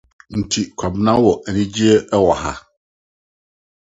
So Kwabena wɔ anigye ankasa wɔ ha?